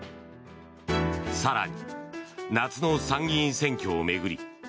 更に、夏の参議院選挙を巡り